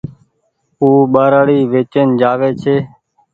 او ٻآرآڙي ويچين جآوي ڇي